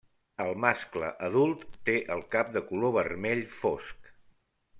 El mascle adult té el cap de color vermell fosc.